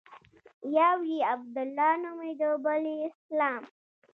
يو يې عبدالله نومېده بل يې اسلام.